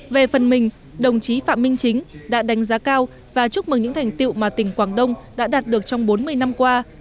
về phần mình đồng chí phạm minh chính đã đánh giá cao và chúc mừng những thành tiệu mà tỉnh quảng đông đã đạt được trong bốn mươi năm qua